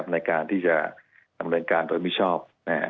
ในการที่จะดำเนินการโดยมิชอบ